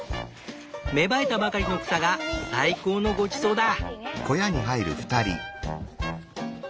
芽生えたばかりの草が最高のごちそうだ。